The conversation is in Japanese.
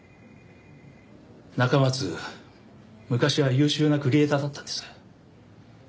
中松昔は優秀なクリエーターだったんです。